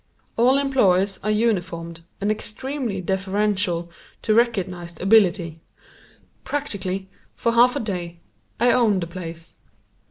All employes are uniformed and extremely deferential to recognized ability. Practically, for half a day, I owned the place.